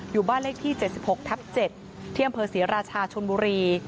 อยู่บ้านเลขที่๗๖ทับ๗ที่อำเภอศรีราชาชนบุรี